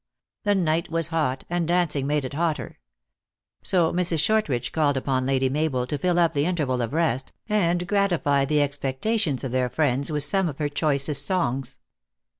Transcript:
The night was hot, and dancing made it hotter. So Mrs. Shortridge called upon Lady Mabel to fill up the interval of rest, and gratify the expectations of their friends with some of her choicest songs.